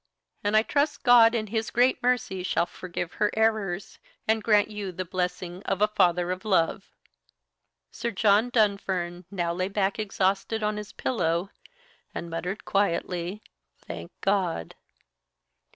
And I trust God in His great mercy shall forgive her errors, and grant you the blessing of a Father of Love." Sir John Dunfern now lay back exhausted on his pillow, and muttered quietly "Thank God."